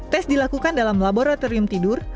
tes dilakukan dalam laboratorium tidur